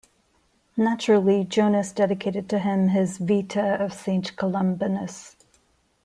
Naturally Jonas dedicated to him his "vita" of Saint Columbanus.